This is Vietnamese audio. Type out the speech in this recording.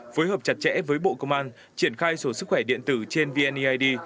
phối hợp chặt chẽ với bộ công an triển khai số sức khỏe điện tử trên vneid